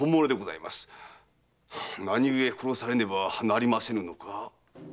何故殺されねばなりませぬのか。